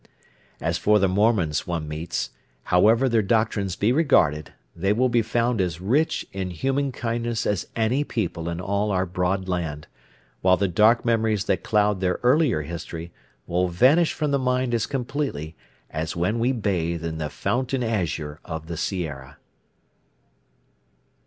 As for the Mormons one meets, however their doctrines be regarded, they will be found as rich in human kindness as any people in all our broad land, while the dark memories that cloud their earlier history will vanish from the mind as completely as when we bathe in the fountain azure of the Sierra.